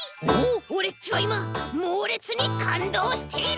オレっちはいまもうれつにかんどうしている！